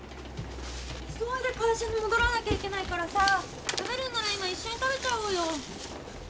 急いで会社に戻らなきゃいけないからさ食べるんなら今一緒に食べちゃおうよ。